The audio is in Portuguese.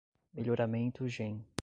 Melhoramento gen